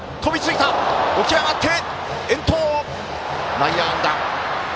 内野安打。